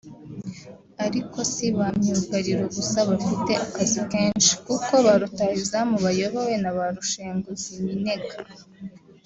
Ariko si bamyugariro gusa bafite akazi kenshi kuko ba rutahizamu bayobowe na Rushenguziminega